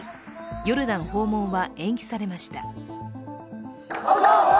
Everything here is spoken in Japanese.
ヨルダン訪問は延期されました。